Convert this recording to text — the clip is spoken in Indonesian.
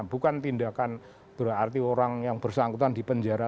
bukan tindakan berarti orang yang bersangkutan di penjara